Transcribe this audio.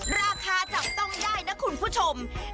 ราคาจับต้องได้นะคุณผู้ชม